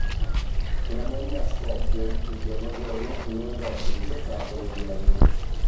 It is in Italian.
Una bomba scoppia, in pieno giorno, in un negozio di giocattoli a Vienna.